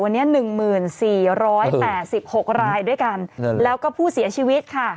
วันนี้หนึ่งหมื่นสี่ร้อยแปดสิบหกรายด้วยกันแล้วก็ผู้เสียชีวิตค่ะ